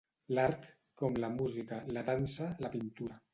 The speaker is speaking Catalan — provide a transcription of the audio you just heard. L'art, com la música, la dansa, la pintura.